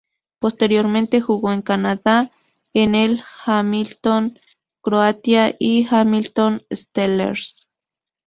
Posteriormente jugó en Canadá en el Hamilton Croatia y Hamilton Steelers.